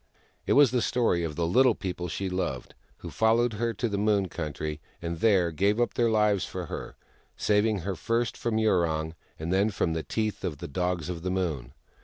It was the story of the Little People she loved, who followed her to the Moon Country, and there gave up their lives for her, saving her first from Yurong, and then from the teeth of the Dogs of the Moon.